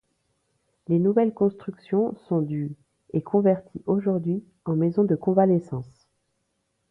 Les nouvelles constructions sont du et convertis aujourd'hui en maison de convalescence.